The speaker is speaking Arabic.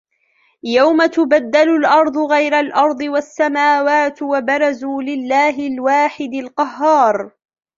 يَوْمَ تُبَدَّلُ الْأَرْضُ غَيْرَ الْأَرْضِ وَالسَّمَاوَاتُ وَبَرَزُوا لِلَّهِ الْوَاحِدِ الْقَهَّارِ